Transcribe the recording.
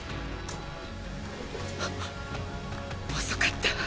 遅かった！